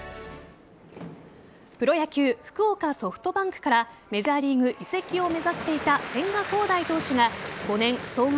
プロ野球・福岡ソフトバンクからメジャーリーグ移籍を目指していた千賀滉大投手が５年総額